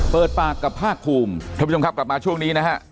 เปิดปากกับภาคภูมิท่านผู้ชมครับกลับมาช่วงนี้นะฮะ